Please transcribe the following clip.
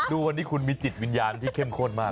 ดูวันนี้คุณมีจิตวิญญาณที่เข้มข้นมาก